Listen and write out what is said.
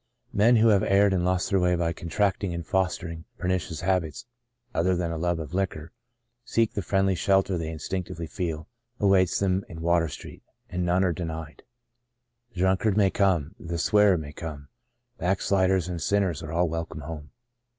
Men, who have erred and lost their way by contracting and foster ing pernicious habits other than a love of liquor, seek the friendly shelter they instinc tively feel awaits them in Water Street. And none are denied. " The drunkard may come, the swearer may come, Backsliders and sinners are all welcome home."